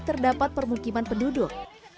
terdapat permukiman penduduk